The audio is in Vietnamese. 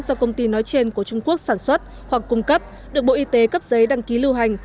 do công ty nói trên của trung quốc sản xuất hoặc cung cấp được bộ y tế cấp giấy đăng ký lưu hành